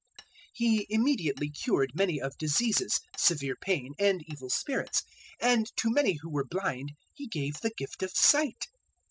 '" 007:021 He immediately cured many of diseases, severe pain, and evil spirits, and to many who were blind He gave the gift of sight.